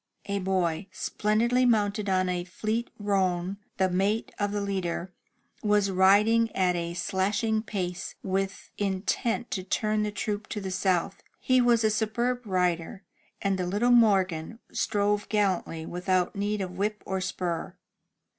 A boy, splendidly mounted on a fleet roan, the mate of the leader, was riding at a slashing pace, with intent to turn the troop to the south. He was a superb rider, and the little Morgan strove gallantly without need of whip or spur.